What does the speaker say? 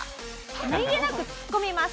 何げなく突っ込みます。